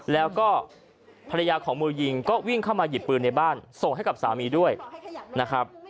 แล้วก็ภรรยาของมือยิงก็วิ่งเข้ามาหยิบปืนในบ้านส่งให้กับสามีด้วยนะครับ